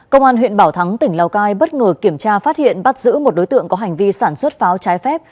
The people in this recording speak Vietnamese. công an huyện bảo thắng tỉnh lào cai bất ngờ kiểm tra phát hiện bắt giữ một đối tượng có hành vi sản xuất pháo trái phép